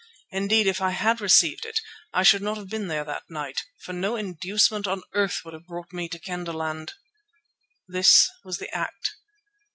Indeed, if I had received it, I should not have been there that night, for no inducement on earth would have brought me to Kendahland. This was the act.